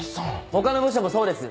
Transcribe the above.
他の部署もそうです。